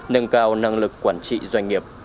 nâng cao năng lực quản trị doanh nghiệp